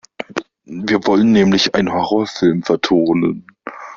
Wir wollen nämlich einen Horrorfilm vertonen.